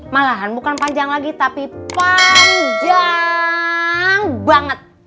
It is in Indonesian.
malahan bukan panjang lagi tapi panjang banget